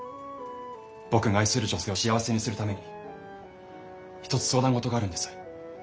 僕が愛する女性を幸せにするために一つ相談事があるんです。